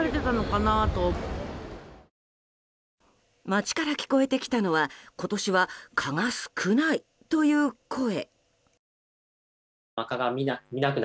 街から聞こえてきたのは今年は蚊が少ないという声。